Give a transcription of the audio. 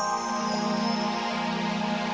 nemu sama bang si angkat j devil